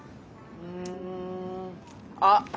うんあっ